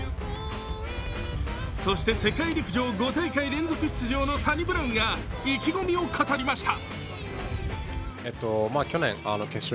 そして世界陸上５大会連続出場のサニブラウンが意気込みを語りました。